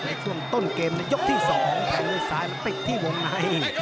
ในช่วงต้นเกมยกที่๒ของแข่งมวยซ้ายติดที่วงใน